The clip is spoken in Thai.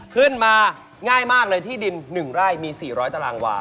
ขึ้นมาง่ายมากเลยที่ดิน๑ไร่มี๔๐๐ตารางวา